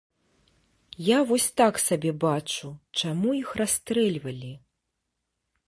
Я вось так сабе бачу, чаму іх расстрэльвалі?